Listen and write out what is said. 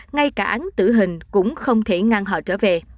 ngay cả án tử hình cũng không thể ngăn họ trở về